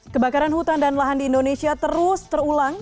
kebakaran hutan dan lahan di indonesia terus terulang